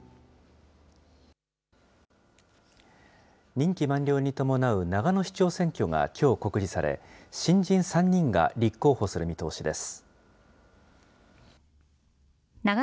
任期満了に伴う長野市長選挙がきょう告示され、新人３人が立候補する見通しです。